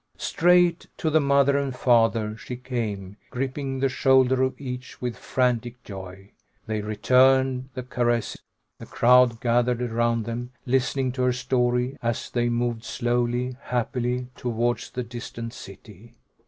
Straight to the mother and father she came, gripping the shoulder of each with frantic joy. They returned the caress, the crowd gathered around them, listening to her story as they moved slowly, happily, towards the distant city.